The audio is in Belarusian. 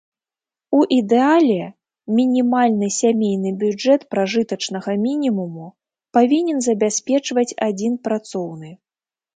У ідэале, мінімальны сямейны бюджэт пражытачнага мінімуму павінен забяспечваць адзін працоўны.